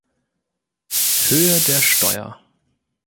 Höhe der Steuer.